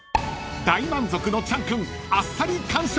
［大満足のチャン君あっさり完食］